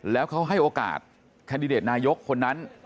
แล้วเขาให้โอกาสแคนดิเดตนายกคนนั้น